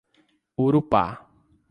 Urupá